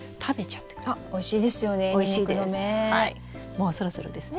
もうそろそろですね。